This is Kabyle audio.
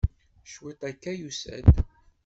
Cwiṭ akka, yusa-d.